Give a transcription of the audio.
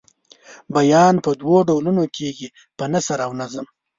بیان په دوو ډولونو کیږي په نثر او په نظم.